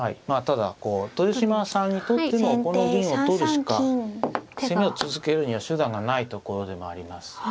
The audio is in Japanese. まあただ豊島さんにとってもこの銀を取るしか攻めを続けるには手段がないところでもあります。